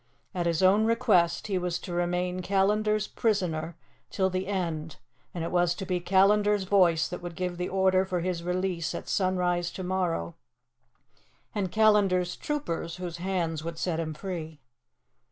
At his own request he was to remain Callandar's prisoner till the end, and it was to be Callandar's voice that would give the order for his release at sunrise to morrow, and Callandar's troopers whose hands would set him free.